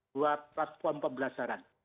buat platform pembelajaran